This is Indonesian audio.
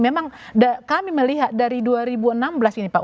memang kami melihat dari dua ribu enam belas ini pak